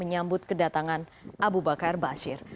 yaitu perubahan raksasa